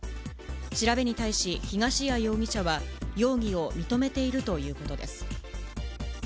調べに対し、東谷容疑者は容疑を認めているということです。